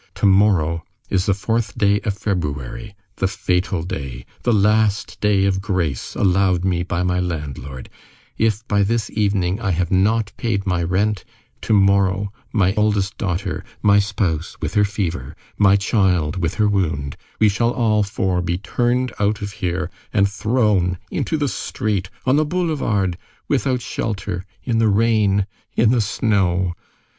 To morrow is the fourth day of February, the fatal day, the last day of grace allowed me by my landlord; if by this evening I have not paid my rent, to morrow my oldest daughter, my spouse with her fever, my child with her wound,—we shall all four be turned out of here and thrown into the street, on the boulevard, without shelter, in the rain, in the snow.